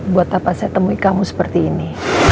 buat apa saya temui kamu seperti ini